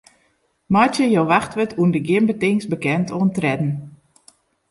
Meitsje jo wachtwurd ûnder gjin betingst bekend oan tredden.